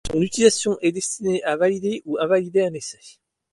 Son utilisation est destinée à valider ou invalider un essai.